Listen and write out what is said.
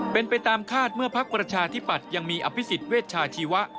เป็นไปตามคาดเมื่อพักประชาธิปัตย์ยังมีอภิษฎเวชชาชีวะ